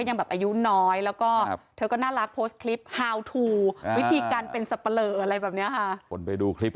อย่างนี้นะมันก็จะไม่หลบ